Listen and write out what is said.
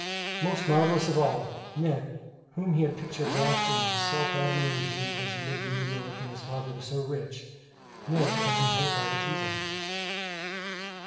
Most marvelous of all, "Ned" whom he had pictured wrapt in self admiration because he lived in New York and his father was so rich Ned had been hurt by the teasing.